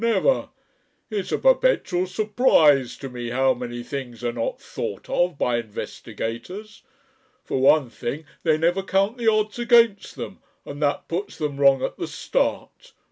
Never. It's a perpetual surprise to me how many things are not thought of by investigators. For one thing, they never count the odds against them, and that puts them wrong at the start.